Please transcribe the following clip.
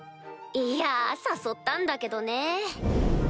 いやぁ誘ったんだけどね。